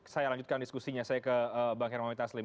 saya lanjutkan diskusinya saya ke bang hermamita slim